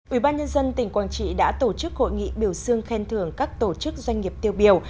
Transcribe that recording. ủy ban nhân dân tỉnh quảng trị đã tổ chức hội nghị biểu dương khen thưởng các tổ chức doanh nghiệp tiêu biểu